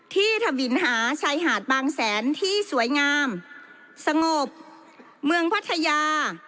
ถวินหาชายหาดบางแสนที่สวยงามสงบเมืองพัทยา